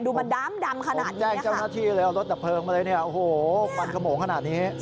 ดูมันดำดำขนาดนี้นะคะ